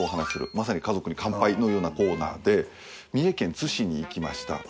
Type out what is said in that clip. まさに「家族に乾杯」のようなコーナーで三重県津市に行きました。